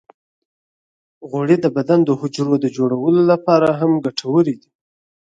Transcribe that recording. غوړې د بدن د حجرو د جوړولو لپاره هم ګټورې دي.